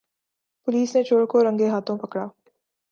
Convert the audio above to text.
police نے چور کو رنگے ہاتھوں پکڑا